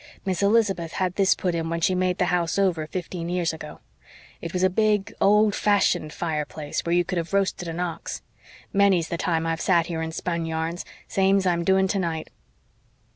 Miss Elizabeth had this put in when she made the house over fifteen years ago. It was a big, old fashioned fireplace where you could have roasted an ox. Many's the time I've sat here and spun yarns, same's I'm doing tonight."